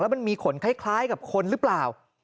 มันมีขนคล้ายกับคนหรือเปล่า